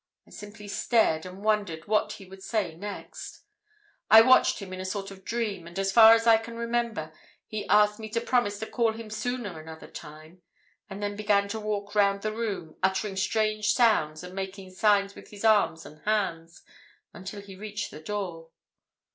I simply stared and wondered what he would say next. I watched him in a sort of dream, and as far as I can remember, he asked me to promise to call him sooner another time, and then began to walk round the room, uttering strange sounds, and making signs with his arms and hands until he reached the door.